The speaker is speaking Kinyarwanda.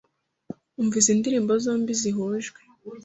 Umva izi ndirimbo zombi zihujwe